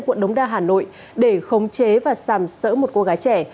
quận đống đa hà nội để khống chế và sàm sỡ một cô gái trẻ